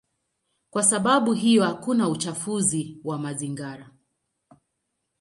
Kwa sababu hiyo hakuna uchafuzi wa mazingira.